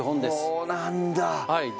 そうなんだ。